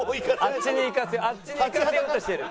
あっちに行かせようとしてる。